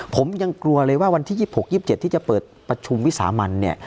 ผมยังกลัวเลยว่าวันที่๒๖๒๗ที่จะเปิดประชุมวิสามันเนี่ย